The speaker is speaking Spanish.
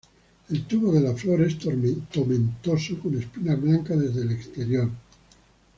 El tubo de la flor es tomentoso con espinas blancas desde el exterior.